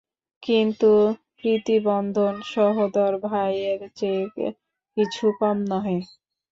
কিন্তু প্রীতিবন্ধন সহোদর ভাইয়ের চেয়ে কিছু কম নহে।